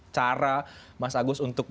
cara mas agus untuk